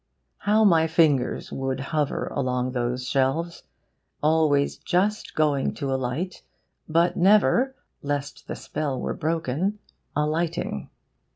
How my fingers would hover along these shelves, always just going to alight, but never, lest the spell were broken, alighting!